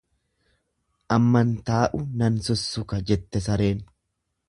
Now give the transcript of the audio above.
Amman taa'u nan sussuka jette sareen.